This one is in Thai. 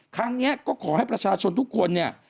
ครั้งนี้ก็ขอให้ประชาชนทุกคนเนี่ย